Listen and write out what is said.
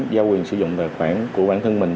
giao quyền sử dụng tài khoản của bản thân mình